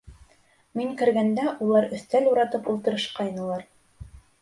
Мин кергәндә улар өҫтәл уратып ултырышҡайнылар.